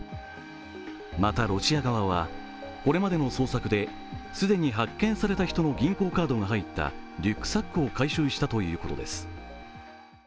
またロシア側はこれまでの捜索で既に発見された人の銀行カードが入ったリュックサックを回収したということです。